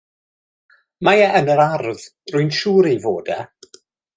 Mae e yn yr ardd, rwy'n siŵr ei fod e.